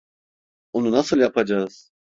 Onu nasıl yapacağız?